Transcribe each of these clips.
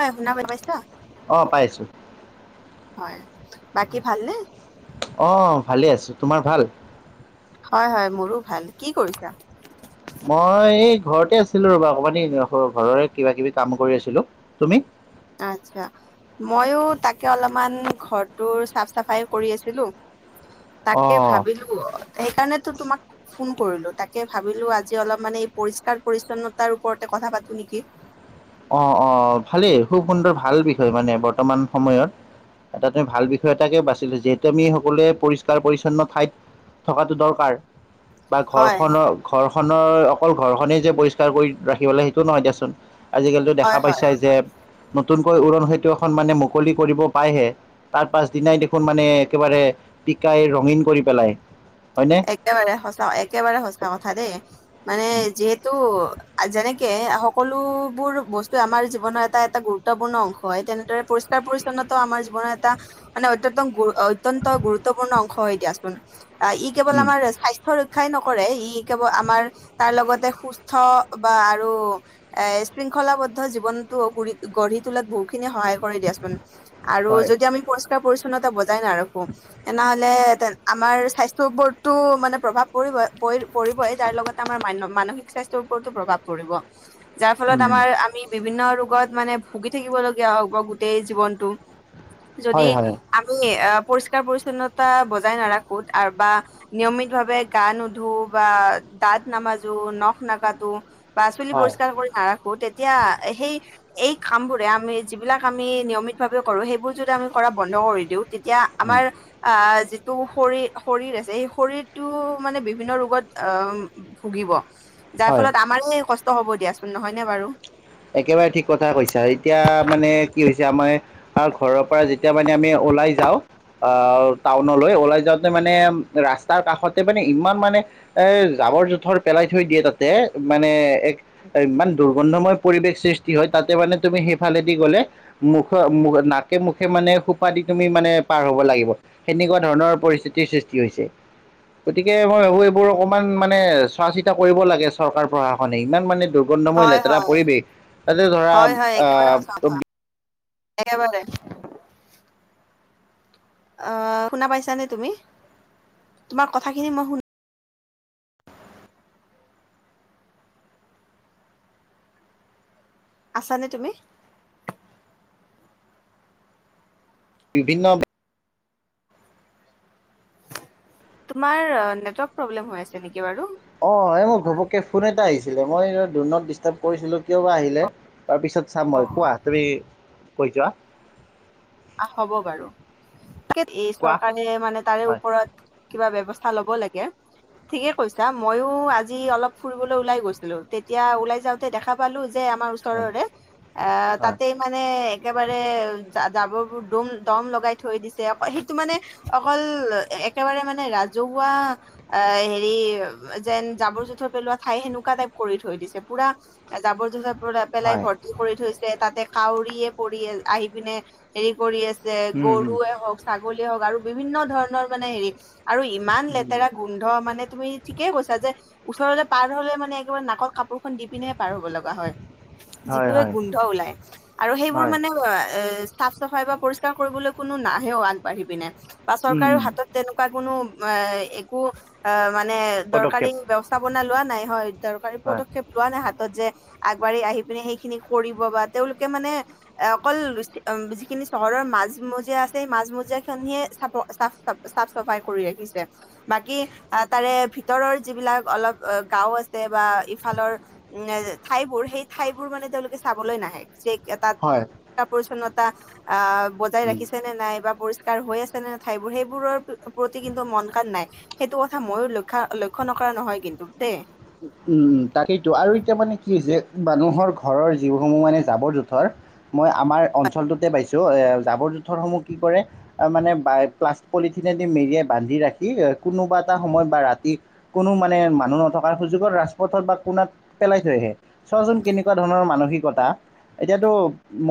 অই শুনা পাইছা? অ পাইছো হয় বাকী ভালনে? অ' ভালে আছো। তোমাৰ ভাল? হয়, হয়, মোৰো ভাল। কি কৰিছা? মই এই ঘৰতে আছিলো ৰ'বা। অকমানি এই ঘৰৰে কিবা কিবি কাম কৰি আছিলো। তুমি? আতচ্ছা ময়ো তাকে অলপমান ঘৰটোৰ চাফ চাফাই কৰি আছিলো। অ তাকে ভাবিলো, হেইকাণেতো তোমাক ফোন কৰিলো তাকে ভাবিলো আজি অলপ মানে, এই পৰিষ্কাৰ পৰিছন্নতাৰ ওপৰতে কথা পাতো নেকি? অ, অ ভালেই খুব সুন্দৰ ভাল বিষয় মানে বৰ্তমান সময়ত। এটা তুমি ভাল বিষয় এটাকে বাচিলো। যিহেতু আমি সকলোৱে পৰিষ্কাৰ পৰিচ্ছন্ন ঠাইত থকাতো দৰকাৰ, বা হয় ঘৰখনৰ ঘৰ খনৰ অকল ঘৰখনেই যে পৰিষ্কাৰ কৰি ৰাখিব লাগ সেইটো নহয় দিয়াচোন। আজিকালিতো দেখা হয় হয় পাইছাই যে, নতুনকৈ উৰণ সেতু এখন মানে মুকলি কৰিব পাইহে তাৰ পাছ দিনাই দেখোন মানে, একেবাৰে পিকাই ৰঙীন কৰি পেলাই। হয়নে একেবাৰে সঁচা, একেবাৰে সঁচা কথা দেই মানে যিহেতু যেনে কে সকলোবোৰ বস্তু আমাৰ জীৱনৰ এটা এটা গুৰুত্বপূৰ্ণ অংশ হয়। তেনেদৰে পৰিষ্কাৰ পৰিচ্ছন্ন আমাৰ জীৱনৰ এটা মানে অত্য অত্যন্ত গুৰুত্বপূৰ্ণ অংশ হৈ দিয়াচোন। ই কেৱল উম আমাৰ স্বাস্থ্য ৰক্ষাই নকৰে, ই কেৱল আমাৰ তাৰ লগত সুস্থ বা আৰু এ শৃংখলাবদ্ধ জীৱনতো গৰি গঢ়ি তোলাত বহুতে খিনি সহায় কৰি দিয়াচোন, আৰু হয় যদি আমি পৰিষ্কাৰ, পৰিছন্নতা ব জাই নাৰাখোঁ, তেনেহলে আমাৰ স্বাস্থ্য সবো মানে প্ৰভাৱ পৰিব পৰি পৰিবই। তাৰ লগতে আমাৰ মানে মানসিক স্বাস্থ্যৰ ওপৰতো প্ৰভাৱ পৰিব। পৰিব। যাৰ ফলত উম আমাৰ আমি বিভিন্ন ৰোগত মানে, ভুগি থাকিব লগীয়া হ'ব গোটেই জীৱনটো। যদি হয় হয় আমি পৰিষ্কাৰ পৰি্ছন্নতা বজাই নাৰাখো বা নিয়মিত ভাৱে গা নোধো, বা দাঁত নামাজো, নখ নাকাটো, বা চুলি হয় পৰিষ্কাৰ কৰি নাৰাখো তেত তিয়া সেই এই কাম বোৰে আমি যিবিলাক আমি নিয়মিত ভাৱে কৰো। সেইবোৰ যদি আমি কৰা বন্ধ ন্ধ কৰি দিওঁ তেতিয়া আমাৰ যিটো শৰীৰ শৰীৰ আছে সেই শৰীৰটো মানে বিভিন্ন ৰোগত অ, ভুগিব। যাৰ হয়। ফলত আমাৰ কষ্ট হ'ব দিয়াচোন, নহয়নে বাৰু? একেবাৰে ঠিক কথা কৈছা। এতিয়া মানে কি হৈছে, আমাৰ আৰু ঘৰৰ পৰা যেতিয়া মানে আমি ওলাই যাওঁ, অ টাউনলৈ ওলাই যাওঁতে মানে ৰাস্তাৰ কাষতে মানে ইমান মানে এ জাৱৰ - জোথৰ পেলাই থৈ দিয়ে তাতে, মানে এক ইমান দুৰ্গন্ধময় পৰিৱেশ সৃষ্টি হয় তাতে মানে তুমি সেইফালেদি গ'লে মুখ- নাকে -মুখে মানে সোপা দি তুমি মানে পাৰ হব লাগিব, সেনেকুৱা ধৰণৰ পৰিস্থিতিৰ সৃষ্টি হৈছে গতিকে মই ভাবো, এইবোৰ অকমান মানে চোৱা চিতা কৰিব লাগে চৰকাৰ প্ৰশাসনে ইমান মানে দুৰ্গন্ধময় হয় লেতেৰা হয় পৰিৱেশ, তাতে ধৰা হয় হয় একেবাৰে সঁচা কথা আহ- [inaudible] অ শুনা পাইছানে? তুমি তোমাৰ কথাখিনি মই শুনা আছ নে তুমি? বিভিন্ন [inaudible] তোমাৰ নেটৱৰ্ক প্ৰব্লেম হৈ আছে নেকি বাৰু? অ, এই মোৰ ঘপককে ফোন এটা আহিছিলে, মই দু নট দিষ্ট্ৰাব কৰিছিলো কিয় বা আহিলে? তাৰপিছত, চাম মই। কোৱা তুমি কৈ যোৱা হ'ব বাৰু। এই কোৱা চৰকাৰে মানে তাৰে হয় ওপৰত কিবা ব্যৱস্থা স্থা ল'ব লাগে। ঠিকে কৈছা। মইও আজি অলপ ফুৰিবলৈ ওলাই গৈছিলো, তেতিয়া ওলাই যাওঁতে দেখা পালো যে যে আমাৰ হয় ওচৰৰে এ তাতে হয় মানে একেবাৰে জাৱৰ দোম দম - দম লগাই থৈ দিছে। অকল সেইটো মানে অকল একেবাৰে মানে ৰাজহুৱা এ হেৰি, যেন জাবৰ জোথৰ পেলোৱা ঠাই সেনেকুৱা টাইপ কৰি থৈ দিছে পোৰা জাৱৰ - জোথৰ পেলাই হয় ভৰ্তি কৰি থৈছে, তাতে কাউৰীয়ে পৰি আহি পিনে হেৰি কৰি আছে যে উম উম গৰুয়ে হওক, ছাগলীয়ে হওক, আৰু বিভিন্ন ধৰণৰ মানে হেৰি আৰু ইমান উম লেতেৰা গোন্ধ মানে তুমি ঠিকেই কৈছা যে ওচৰলে পাৰ হলে মানে একবাৰে নাকত কাপোৰখন দি পিনেহে পাৰ হ'ব লগা হয় হয় যিটোহে হয় গোন্ধ ওলাই আৰু সেইবোৰ হয় মানে এ চাফ - চাফাই বা পৰিষ্কাৰ কৰিবলৈ কোনো নাহেও আগবাঢ়ি পিনে বা উম চৰকাৰেও উম হাতত তেনেকুৱা কোনো অ একো অ মানে দৰকাৰী পদক্ষেপ ব্যৱস্থাপনা লোৱা নাই হয় দৰকাৰী হয় পদক্ষেপ লোৱা নাই হাতত যে আগবাঢ়ি আহি পিনে সেইখিনি কৰিব বা তেওঁলোকে মানে এ অকল উম যিখিনি চহৰৰ মাজ-মজিয়া আছে স মাজ-মজিয়া খিনিয়ে চাফ - চাফ -চফাই কৰি ৰাখি বাকী তাৰে ভিতৰৰ যিবিলাক অলপ গাও আছে বা ইফালৰ নে, ঠাইবোৰ সেই ঠাইবোৰ মানে তেওঁলোকে চাবলৈ নাহে তাত হয় পৰিচ্ছন্নতা আহ বজাই উম ৰাখিছে নে নাই বা পৰিষ কাৰ হৈ আছে নে নে ঠাইবোৰ সেইবোৰৰ প্ৰতি কিন্তু মনকাণ নাই সেইটো কথা মইয়ো লক্ষ্যা -লক্ষ্য নকৰা নহয় কিন্তু দেই। উম, তাকেইটো আৰু এতিয়া মানে কি হৈছে মানুহৰ ঘৰৰ যিসমূহ মানে জাৱৰ - জোথৰ মই আমাৰ অঞ্চলটোতে পাইছোঁ, জাৱৰ- জোথৰসমূহ কি কৰে মানেপ্লাষ্টি পলিথিন পলিথিননেদি মেৰিয়াই বান্ধি ৰাখি কোনোবা এটা সময় বা ৰাতি কোনো মানে মানুহ নথকাৰ সুযোগত ৰাজপথত বা কোণাত পেলাই থৈ আহে। চোৱাচোন কেনেকুৱা ধৰণৰ মানসিক মতা এতিয়াতো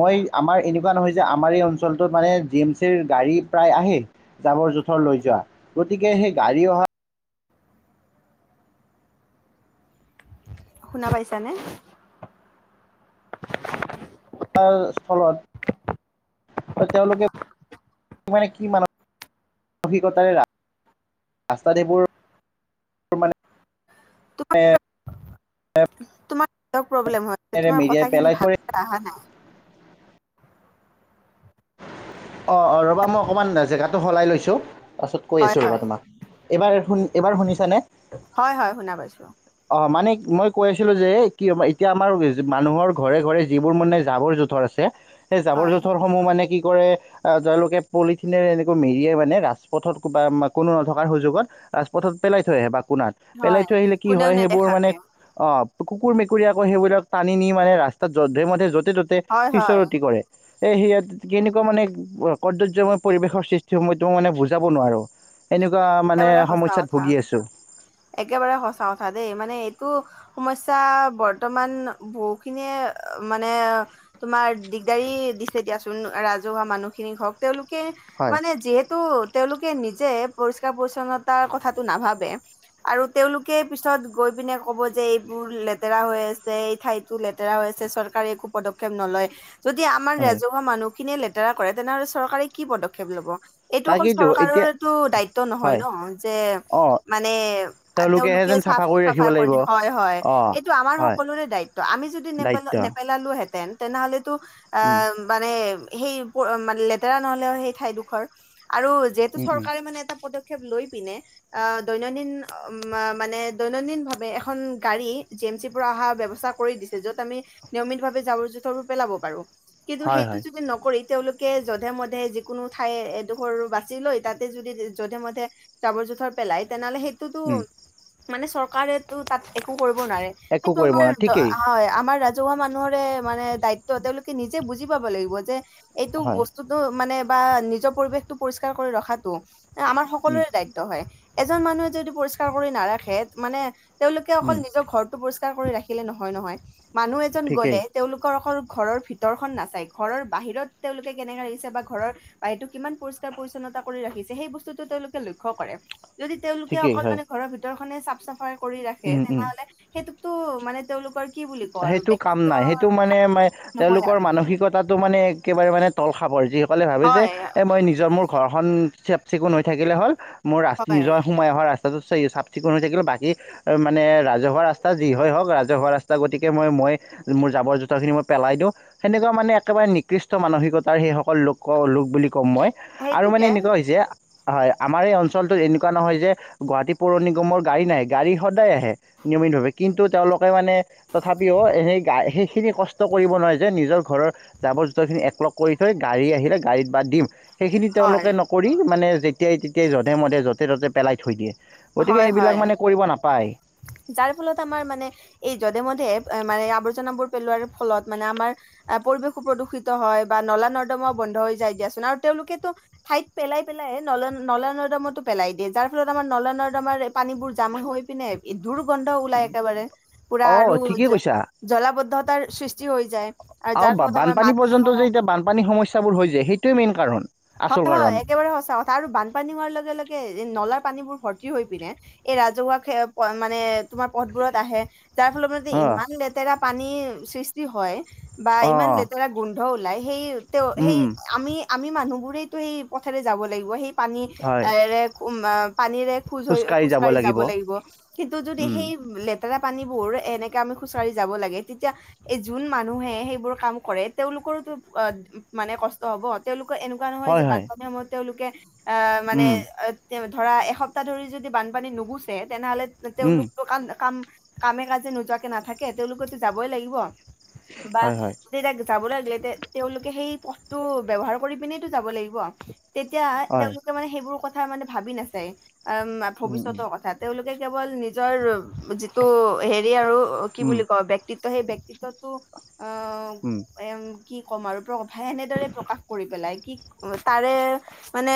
মই আমাৰ এই কুৱা নহয় যে আমাৰ এই অঞ্চলটোত মানে জি এম চিৰ গাড়ী প্ৰায় আহে জাৱৰ-জোথৰ লৈ যোৱা। গতিকে সেই গাড়ী অহা শুনা পাইছানে? অ, স্থলত এ তেওঁলোকে মানে কি মানসিকতাৰে ৰাত ৰাস্তােত এইবোৰ বোৰ মানে তোমাৰ [unintelligible] এ - এ [unintelligible] নেটৱৰ্ক প্ৰব্লেম হয়, তোমাৰ কথাখিনি থৈ ভালকে আহা নাই। অ', অ', ৰ'বা মই অকণমান জেগাটো সলাই লৈছো তাৰপাছত কৈ হয় আছো ৰ'বা হয় তোমাক এইবাৰ এইবাৰ শুনিছানে? হয়-হয় শুনা পাইছো। অ মানে মই কৈ আছিলোঁ যে কি এতিয়া আমাৰ মানুহৰ ঘৰে-ঘৰে যিবোৰ মানে জাবৰ জোঁথৰ আছে সেই জাবৰ হয় জোঁথৰসমূহ মানে কি কৰে আহ, তেওঁলোকে পলিথিনে এনেকৈ মেৰিয়ে মানে ৰাজপথত বা কোনো নথকাৰ সুযোগত ৰাজপথত পেলাই থৈ আহে বা কোণাত পেলাই হয় থৈ আহিলে কি কোনেও হয় সেইবোৰ মানে নেদেখাকে অ, কুকুৰ মেকুৰীয়ে আকৌ সেইবিলাক টানি নি মানে ৰাস্তাত যধে-মধে, য'তে-ত'তে হয় হয় সিঁচৰতি কৰে। এ সেয়া কেনেকুৱা মানে কদৰ্য্যময় পৰিৱেশৰ সৃষ্টি হয় মই তোমাক মানে বুজাব নোৱাৰোঁ। এনেকুৱা মানে একেবাৰে সঁচা সমস্যাত কথা ভুগি আছোঁ। একেবাৰে সচা কথা দেই মানে এইটো সমস্যা বৰ্তমান বহুখিনিয়ে মানে তোমাৰ দিগদাৰি দিছে দিয়াচোন ৰাজহুৱা মানুহখিনিক হওঁক তেওঁলোক কে হয় মানে যিহেতু তেওঁলোকে নিজে পৰিষ্কাৰ পৰিচ্ছন্নতাৰ কথাটো নাভাবে। আৰু তেওঁলোকে পিছত গৈ পিনে ক'ব যে এইবোৰ লেতেৰা হৈ আছে এই ঠাইতো লেতেৰা হৈ আছ চৰকাৰে একো পদক্ষেপ নলয়। যদি আমাৰ হয় ৰাজহুৱা মানুহ খিনিয়ে লেতেৰা কৰে তেনেহ'লে চৰকাৰে কি পদক্ষেপ লব? এইটো অকল তাকেইতো এতিয়া চৰকাৰৰটো দায়িত্ব নহয় হয় ন যে অ মানে তেওঁলোকেহে তেওঁলোকে যেন চাফা চাফ কৰি ৰাখিব -চাফাই লাগিব কৰি হয় হয় অ এইটো আমাৰ হয় সকলোৰে দায়িত্ব আমি যদি নেপে দায়িত্ব নেপেলালোহেতেঁন তেনেহ'লেতো অ উম মানে সেই লেতেৰা নহ'লে হয় সেই ঠাইডোখৰ আৰু যিহেতু উম উম চৰকাৰে মানে এটা পদ ক্ষেপ লৈ পিনে অ দৈনন্দিন উ মানে দৈনন্দিন ভাৱে এখন গাড়ী জি এম চিৰ পৰা অহা ব্যৱস্থা কৰি দিছে য'ত আমি নিয়মিত ভাৱে জাবৰ জোথৰবোৰ পেলাব পাৰোঁ কিন্তু হয় সেইটো হয় যদি নকৰি তেওঁলোকে যধে মধে যিকোনো ঠাই এডোখৰ বাছি লৈ তাতে যদি যধে মধে জাবৰ যো যোথৰ পেলাই তেনেহ'লে সেইটোটো উম মানে চৰকাৰেটো তাত একো কৰিব নোৱাৰে একো সেইটো কৰিব আমাৰ নোৱাৰে ঠিকেই হয় আমাৰ ৰাজ হুৱা মানুহৰে মানে দায়িত্ব তেওঁলোকে নিজে বুজি পাব লাগিব যে এইটো হয় বস্তুটো মানে বা নিজৰ পৰিৱেশটো পৰিস্কাৰ কৰি ৰখাটো আমাৰ উম সকলোৰে দায়িত্ব হয় এজন মানুহে যদি পৰিষ্কাৰ কৰি নাৰাখে মানে তেওঁলোকে উম অকল নিজৰ ঘৰটো পৰিষ্কাৰ কৰি ৰাখিলে নহয়- নহয়। মানুহ এজন ঠিকেই গ'লে তেওঁলোকৰ অকল ঘৰৰ ভিতৰখন নাচাই ঘৰৰ বাহিৰত তেওঁলোকে কেনেকে ৰাখিছে বা ঘৰৰ বাহিৰটো কিমান পৰিষ্কাৰ পৰি্ছন্ন তা কৰি ৰাখিছে সেই বস্তুটো তেওঁলোকে লক্ষ্য কৰে যদি তেওঁ লোকে ঠিকেই অকল হয় মানে ঘৰৰ ভিতৰ খনে চাফ চাফাই কৰি ৰাখে উম উম তেনেহ'লে সেইটোটো মানে তেওঁলোকৰ কি বুলি কওঁ আৰু সেইটো কাম ব্যক্তিত্ব নাই সেইটো মানে ম নহয় তেওঁলোকৰ আৰু মানসিকতাটো মানে একেবাৰে মানে তল খাপৰ যিসকলে ভাবে যে হয় এ মই নিজৰ মোৰ ঘৰখন চাফ চিকুণ হৈ থাকিলে হ'ল মোৰ ৰাচ হয় নিজৰ সোমাই অহা ৰাচ চাফ চিকুণ হৈ থাকিলে বাকী মানে ৰাজহুৱা ৰাস্তা যি হয় হওঁক ৰাজহুৱা ৰাস্তা গতিকে মই- মই মোৰ জাবৰ যোথৰ খিনি মই পেলাই দিও সেনেকুৱা মানে একেবাৰে নিকৃষ্ট মানসিকতাৰ স সেই সকল লোকক লোক বুলি ক'ম মই আৰু মানে সেইটোকে এনেকুৱা হৈছে হয়, আমাৰ এই অঞ্চলটোত এনেকুৱা নহয় যে গুৱাহাটী পৌৰ নিগমৰ গাড়ী নাহে গাড়ী সদায় আহে। নিয়মিতভাৱে কিন্তু তেওঁলোকে মানে তথাপিও সেই সেইখিনি কষ্ট কৰিব নোৱাৰে যে নিজৰ ঘৰৰ জাবৰ জোথৰ খিনি একলগ কৰি থৈ গাড়ী আহিলে গাড়ীত বাদ দিম। সেইখিনি হয় তেওঁলোকে নকৰি মানে যেতিয়াই তেতিয়াই যধে মধে য'তে ত'তে পেলাই থৈ দিয়ে। গতিকে হয় হয় সেইবিলাক মানে কৰিব নাপায়। যাৰ ফলত আমাৰ মানে এই যধে মধে মানে আৱৰ্জনাবোৰ পেলোৱাৰ ফলত মানে আমাৰ এ পৰিবেশো প্ৰদূষিত হয় বা নলা নৰ্দমাও বন্ধ হৈ যায় দিয়াচোন আৰু তেওঁলোকেতো ঠাইত পেলাই পেলাই নলন নলা নৰ্দমাতো পেলাই দিয়ে যাৰ ফলত আমাৰ নলা নৰ্দমাৰ পানীবোৰ জাম হৈ পিনে দুৰ্গন্ধ ওলাই একেবাৰে পুৰা অঁ আৰু ঠিকেই কৈছা জলাবদ্ধতাৰ সৃষ্টি হৈ যায়। আৰু আও যাৰ ফলত আমাৰ বানপানী মাটি পৰ্যন্ত হওক যে এতিয়া বানপানীৰ সমস্যাবোৰ হৈ যে সেইটোৱে মেইন কাৰণ। আচল হয়- হয় কাৰণ একেবাৰে সঁচা কথা আৰু বানপানী হোৱাৰ লগে- লগে নলাৰ পানীবোৰ ভৰ্তি হৈ পিনে এই ৰাজহুৱা সে মানে তোমাৰ পথবোৰত আহে। যাৰ ফলত মানে অঁ ইমান লেতেৰা পানী সৃষ্টি হয় বা ইমান অঁ লেতেৰা গুণ ন্ধ ওলাই সেই তে উম সেই উম আমি- আমি মানুহবোৰেইতো সেই পথেৰে যাব লাগিব সেই পানী হয় এৰে পানীৰে খোজ হৈ খোজকাঢ়ি যাব লাগিব কিন্তু যদি উম সেই লে তেৰা পানী বোৰ এনেকে আমি খুচৰি যাব লাগে তেতিয়া এই যোন মানুহে সেইবোৰ কাম কৰে তেওঁলোক ৰোটো মানে কষ্ট হ'ব তেওঁলোকে এনে কোৱা নহয় যে হয় হয় বানপানী সময়ত তেওঁলোকে আ মানে উম ধৰা এসপ্তাহ ধৰি যদি বানপানী নুগুছে তেনেহ'লে উম তেওঁলোকৰ কাম- কাম কামে কাজে নোযোৱাকে নাথাকে তেওঁলোকোতো যাবই লাগিব বা হয় হয় তে যাব লাগিলে তে তেওঁলোকে সেই পথটো ব্যৱহাৰ কৰি পিনেতো যাব লাগিব। তেতিয়া হয় তেওঁলোকে মানে সেইবোৰ কথা মানে ভাবি নাচায় আম উম উম ভৱিষ্যতৰ কথা তেওঁলোকে কে কেৱল নিজৰ যিটো হেৰি আৰু অ', কি উম বুলি ক ব্যক্তিত্ব সেই ব্যক্তিত্বটো অম উম এ কি ক'ম আৰু প্ৰভ এনেদৰে প্ৰকাশ কৰি পেলাই। কি তাৰে মানে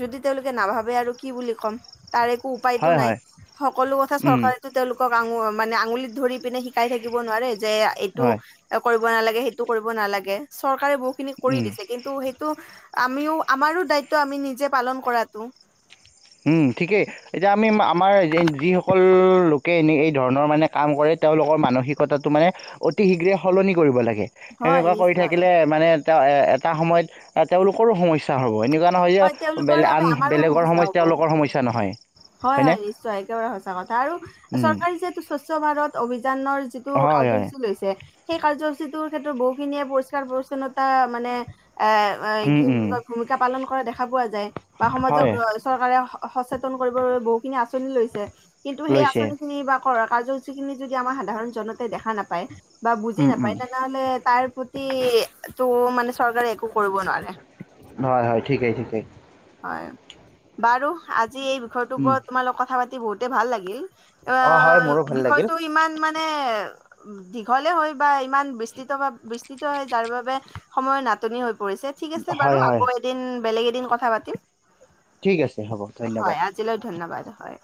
যদি তেওঁলোকে নাভাবে আৰু কি বুলি ক'ম। তাৰ একো উপায়তো হয় নাই হয় সকলো কথা উম চৰকাৰেতো তেওঁলোকক আঙু মানে আঙুলিত ধৰিপিনে শিকাই থাকিব নোৱাৰে যে এইটো হয়। কৰি কৰিব নালাগে সেইটো কৰিব নালাগে চৰকাৰে বহু খিনি কৰি উম, দিছে কিন টো আমিও আমাৰো দায়িত্ব আমি নিজে পালন কৰাটো। উম ঠিকেই এতিয়া আমি আমাৰ যিসকল লোকে এনে এই ধৰণৰ মানে কাম কৰে তেওঁলোকৰ মানসিকতাটো মানে অতি শীঘ্ৰে সলনি কৰিব লাগ গে হয় সেনেকুৱা কৰি নিশ্চয় থাকিলে মানে তেওঁ এটা সময়ত তেওঁলোকৰো সমস্যা হ'ব এনেকুৱা নহয় যে হয় বেলেগ তেওঁলোকৰ আন বাবে আমাৰো বেলেগৰ সমস্যা হ' ব, তেওঁলোকৰ সমস্যা নহয় হয়- হয়নে? হয় নিশ্চয় একেবাৰে সঁচা কথা আৰু উম, চৰকাৰে যিহেটো স্বচ্ছ ভাৰত অভিযানৰ যিটো হয়, হয়, কাৰ্যসূচী লৈছে সেই কাৰ্যসূচীটোৰ ক্ষেত্ৰত বহুখিনিয়ে পৰিষ্কাৰ পৰিচ্ছন্নতা মানে এ কি উম, বুলি উম, কয় ভূমিকা পালন কৰা দেখা পোৱা যায় বা সমাজক হয় চৰকাৰে সচেতন কৰিব বাবে বহুখিনি আচনি লৈছে কিন্তু সেই লৈছে আচনিখিনি বা কৰা কাৰ্যসূচীখিনি যদি আমাৰ সাধাৰণ জনতাই দেখা নাপায় বা বুজি উম, উম, নাপায় তেনেহ'লে তাৰ পতিটো মানে চৰকাৰে একো কৰিব নোৱাৰে হয় - হয় ঠিকেই- ঠিকেই। হয় বাৰু আজি এই বিষয়টোৰ উম, ওপৰত তোমালোকত কথা পাতি বহুতে ভাল লাগিল। অ', হয় আহ, মোৰো ভাল লাগিল বিষয়টো ইমান মানে দীঘলে হয় বা ইমান বিস্তৃত ভাৱ বিস্তৃত হয় যাৰ বাবে সময়ৰ নাটনি হৈ কৰিছে ঠিক আছে হয়, বাৰু হয়, আকৌ এদিন বেলেগ এদিন কথা পাতিম। ঠিক আছে হ'ব ধন্যবাদ। হয় আজিলৈ ধন্যবাদ হয়।